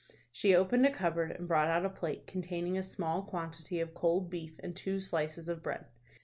She opened a cupboard, and brought out a plate containing a small quantity of cold beef, and two slices of bread.